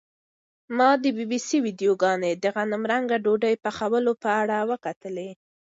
ما د بي بي سي ویډیوګانې د غنمرنګه ډوډۍ پخولو په اړه وکتلې.